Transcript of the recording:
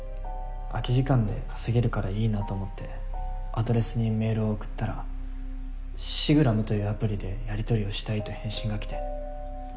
空き時間で稼げるからいいなと思ってアドレスにメールを送ったらシグラムというアプリでやりとりをしたいと返信が来て。